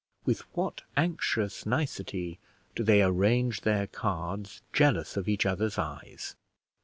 With what anxious nicety do they arrange their cards, jealous of each other's eyes!